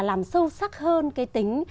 làm sâu sắc hơn cái tính